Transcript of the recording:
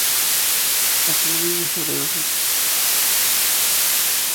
A fines de febrero se estrenó el tráiler.